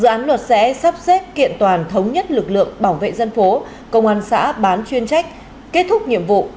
dự án luật sẽ sắp xếp kiện toàn thống nhất lực lượng bảo vệ dân phố công an xã bán chuyên trách kết thúc nhiệm vụ